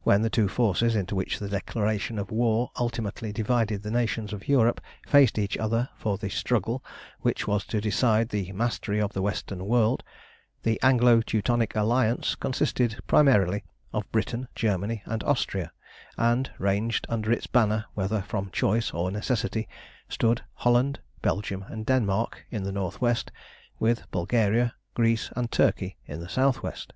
When the two forces, into which the declaration of war ultimately divided the nations of Europe, faced each other for the struggle which was to decide the mastery of the Western world, the Anglo Teutonic Alliance consisted primarily of Britain, Germany, and Austria, and, ranged under its banner, whether from choice or necessity, stood Holland, Belgium, and Denmark in the north west, with Bulgaria, Greece, and Turkey in the south west.